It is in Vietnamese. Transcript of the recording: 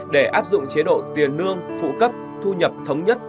để áp dụng chế độ tiền lương phụ cấp thu nhập thống nhất